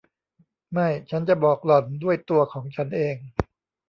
ไม่ ฉันจะบอกหล่อนด้วยตัวของฉันเอง